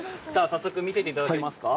早速見せていただけますか。